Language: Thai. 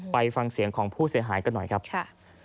ไปฟังเสียงของผู้เสียหายกันหน่อยครับค่ะ